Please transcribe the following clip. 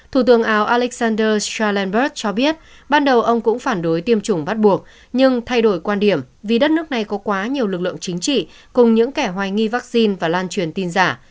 thủ tướng lào alexander stralberg cho biết ban đầu ông cũng phản đối tiêm chủng bắt buộc nhưng thay đổi quan điểm vì đất nước này có quá nhiều lực lượng chính trị cùng những kẻ hoài nghi vaccine và lan truyền tin giả